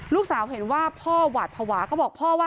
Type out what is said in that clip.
เห็นว่าพ่อหวาดภาวะก็บอกพ่อว่า